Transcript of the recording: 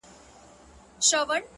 • مینه چي مو وڅاڅي له ټولو اندامو؛